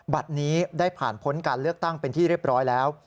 บัตรนี้ได้ผ่านพ้นการเลือกตั้งเป็นที่เรียบร้อยแล้ว